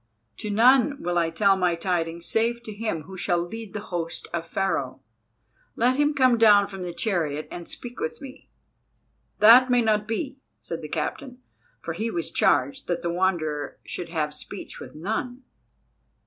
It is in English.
"To none will I tell my tidings save to him who shall lead the host of Pharaoh. Let him come down from the chariot and speak with me." "That may not be," said the captain, for he was charged that the Wanderer should have speech with none.